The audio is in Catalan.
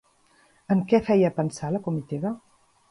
En què feia pensar la comitiva?